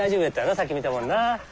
さっき見たもんな。